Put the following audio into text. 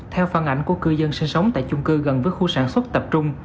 theo phản ảnh của cư dân sinh sống tại chung cư gần với khu sản xuất tập trung